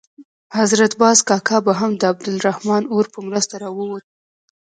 حضرت باز کاکا به هم د عبدالرحمن اور په مرسته راووت.